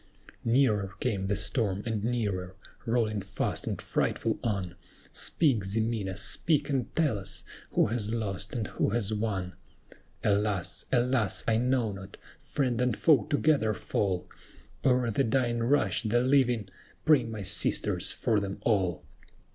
Nearer came the storm and nearer, rolling fast and frightful on! Speak, Ximena, speak and tell us, who has lost, and who has won? "Alas! alas! I know not; friend and foe together fall, O'er the dying rush the living: pray, my sisters, for them all!